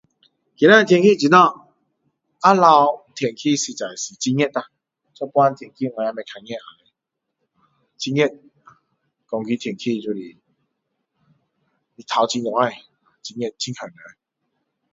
今天天气怎样下午天气实在是很热啦现在的天气我们看不到很热整个天气就是太阳很大很热很闷人